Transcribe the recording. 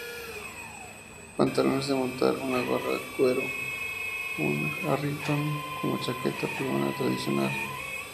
Pantalones de montar, una gorra de cuero, un harrington-como chaqueta peruana tradicional.